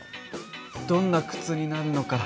どんな靴になるのか。